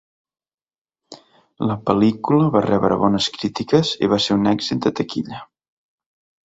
La pel·lícula va rebre bones crítiques i va ser un èxit de taquilla.